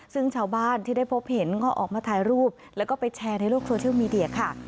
ซึ่งชาวบ้านที่ได้พบเห็นก็ออกมาถ่ายรูปแล้วก็ไปแชร์ในโลกโซเชียลมีเดียค่ะ